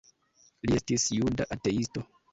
Li estis juda ateisto.